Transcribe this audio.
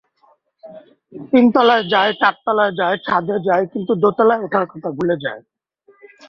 তিনতলায় যায়, চারতলায় যায়, ছাদে যায়, কিন্তু দোতলায় ওঠার কথা ভুলে যায়।